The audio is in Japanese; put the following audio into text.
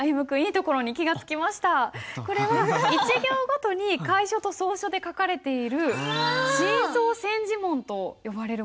これは１行ごとに楷書と草書で書かれている「真草千字文」と呼ばれるものなんです。